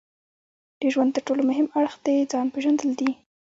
د ژوند ترټولو مهم اړخ د ځان پېژندل دي.